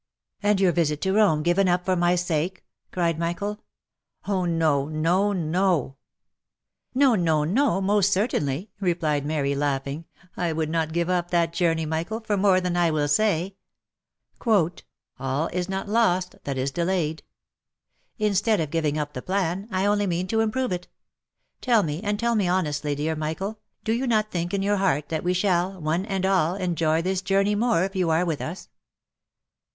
"And your visit to Rome given up for my sake?" cried Michael. " Oh ! no, no, no !"" No, no, no, most certainly," replied Mary, laughing, '* I would not give up that journey, Michael, for more than I will say, "All is not lost that is delayed." Instead of giving up the plan, I only mean to improve it. Tell me, and tell me honestly, dear Michael, do you not think in your heart that we shall, one and all, enjoy this journey more if you are with us